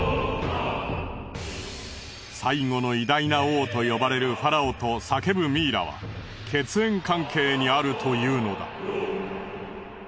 最後の偉大な王と呼ばれるファラオと叫ぶミイラは血縁関係にあるというのだ。